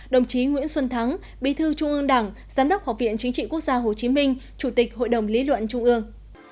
đồng chí nguyễn xuân thắng bí thư trung ương đảng giám đốc học viện chính trị quốc gia hồ chí minh chủ tịch hội đồng lý luận trung ương